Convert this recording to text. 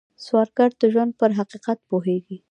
سوالګر د ژوند پر حقیقت پوهېږي